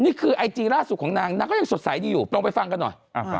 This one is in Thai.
นี่คือไอจีล่าสุดของนางนางก็ยังสดใสดีอยู่ลองไปฟังกันหน่อย